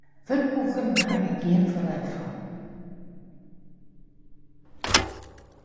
Wurdboeken haw ik gjin ferlet fan.